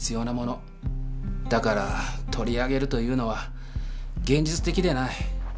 だから取り上げるというのは現実的でない。